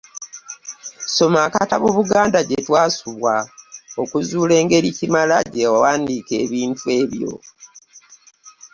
Soma akatabo Buganda Gye Twasubwa ozuule engeri Kimala gy’awandiika ku bintu ebyo.